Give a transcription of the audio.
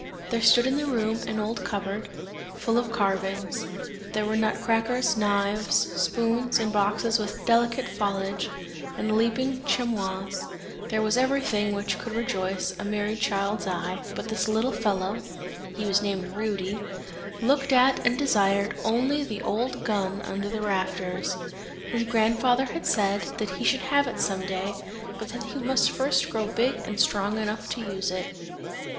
There stood in the room, an old cup board, full of carvings; there were nut crackers, knives, spoons, and boxes with delicate foliage, and leaping chamois; there was everything, which could rejoice a merry child's eye, but this little fellow, (he was named Rudy) looked at and desired only the old gun under the rafters. His grandfather had said, that he should have it some day, but that he must first grow big and strong enough to use it.